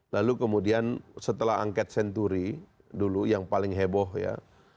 lalu kemudian setelah angket senturi dulu yang paling heboh ya